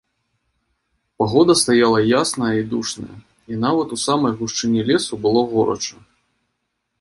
Пагода стаяла ясная і душная, і нават у самай гушчыні лесу было горача.